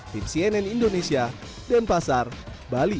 tim cnn indonesia denpasar bali